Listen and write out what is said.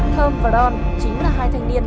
thơm và đôn chính là hai thanh niên